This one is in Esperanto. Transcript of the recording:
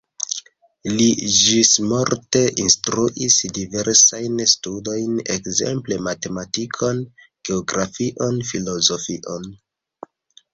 Li ĝismorte instruis diversajn studojn, ekzemple matematikon, geografion, filozofion.